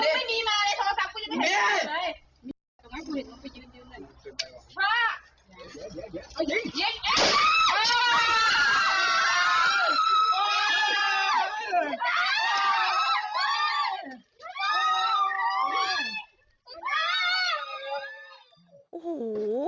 เมื่อไม่มีมาเลยโทรจับก็จะแทนนี่